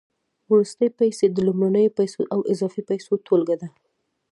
وروستۍ پیسې د لومړنیو پیسو او اضافي پیسو ټولګه ده